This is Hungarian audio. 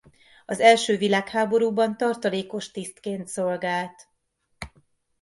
Az első világháborúban tartalékos tisztként szolgált.